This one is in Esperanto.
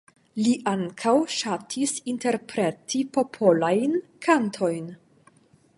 Li ankaŭ ŝatis interpreti popolajn kantojn.